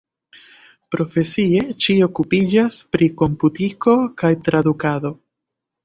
Profesie ŝi okupiĝas pri komputiko kaj tradukado.